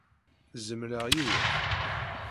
Zemleɣ yiwet.